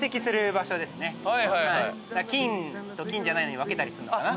金と金じゃないのに分けたりするのかな。